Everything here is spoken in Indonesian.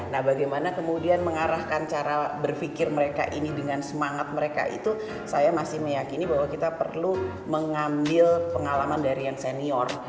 nah bagaimana kemudian mengarahkan cara berpikir mereka ini dengan semangat mereka itu saya masih meyakini bahwa kita perlu mengambil pengalaman dari yang senior